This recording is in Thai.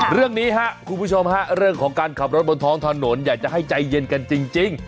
เรื่องนี้ครับคุณผู้ชมฮะเรื่องของการขับรถบนท้องถนนอยากจะให้ใจเย็นกันจริง